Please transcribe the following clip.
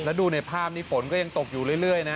แล้วดูในภาพนี้ฝนก็ยังตกอยู่เรื่อยนะ